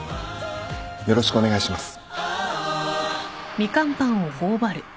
よろしくお願いします。